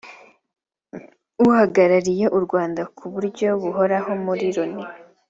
uhagarariye u Rwanda ku buryo buhoraho muri Loni